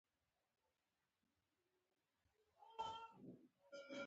تاسو انګلیسي خبرې کوئ؟